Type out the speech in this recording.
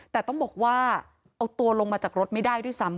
แต่ต้องบอกว่าเอาตัวลงมาจากรถไม่ได้ด้วยซ้ำ